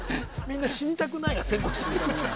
みんな死にたくないが先行してる